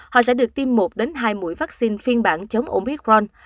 họ sẽ được tiêm một đến hai mũi vắc xin phiên bản chống omicron